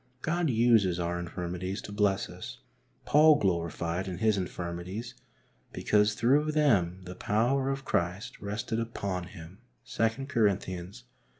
God uses our infirmities to bless us. Paul gloried in his infirmities because through them the power of Christ rested upon him (2 Cor, xii.